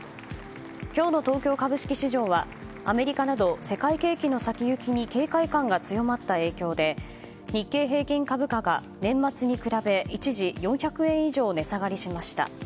今日の東京株式市場はアメリカなど世界景気の先行きに警戒感が強まった影響で日経平均株価が年末に比べ、一時４００円以上値下がりしました。